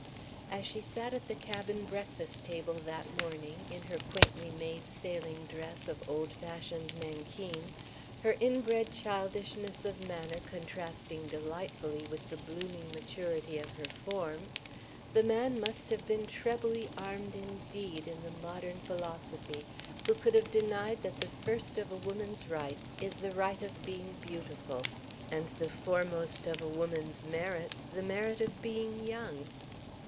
As she sat at the cabin breakfast table that morning, in her quaintly made sailing dress of old fashioned nankeen her inbred childishness of manner contrasting delightfully with the blooming maturity of her form the man must have been trebly armed indeed in the modern philosophy who could have denied that the first of a woman's rights is the right of being beautiful; and the foremost of a woman's merits, the merit of being young!